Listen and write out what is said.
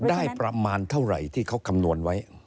ได้ประมาณเท่าไหร่ที่เขาคำนวณไว้